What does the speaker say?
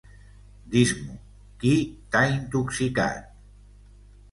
Dis-m'ho, qui t'ha intoxicat?